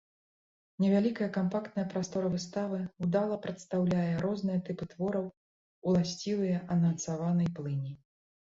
Невялікая кампактная прастора выставы ўдала прадстаўляе розныя тыпы твораў, уласцівыя анансаванай плыні.